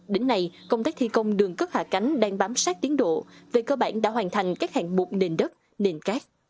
đến nay công tác thi công đường cất hạ cánh đang bám sát tiến độ về cơ bản đã hoàn thành các hạng bụt nền đất nền cát